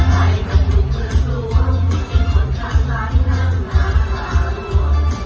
ใครก็ถูกเผื่อตัวจริงคนกำลังนั่งหน้าพาหลวง